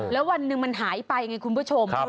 แล้ววันหนึ่งมันหายไปไงคุณผู้ชม